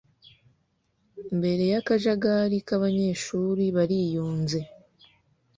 mbere y'akajagari k'abanyeshuri bariyunze